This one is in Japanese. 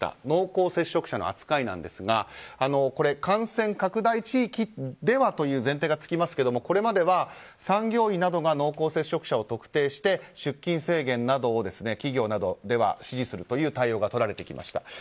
濃厚接触者の扱いなんですが感染拡大地域ではという前提が付きますがこれまでは産業医などが濃厚接触者を特定して出勤制限などを企業などでは指示するという対応がとられてきました。